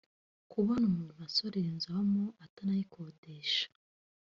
kubona umuntu asorera inzu abamo atanayikodesha